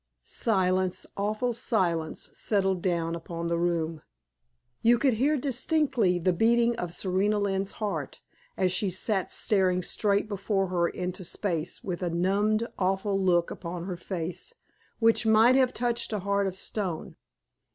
Silence, awful silence, settled down upon the room. You could hear distinctly the beating of Serena Lynne's heart, as she sat staring straight before her into space with a numbed, awful look upon her face which might have touched a heart of stone.